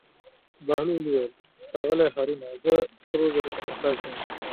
بهلول وویل: ښاغلی هارونه زه سرو زرو ته محتاج نه یم.